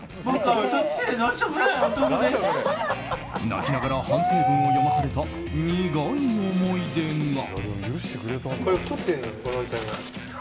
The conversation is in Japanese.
泣きながら反省文を読まされた苦い思い出が。